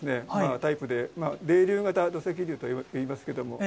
タイプで泥流型土石流といいますけど。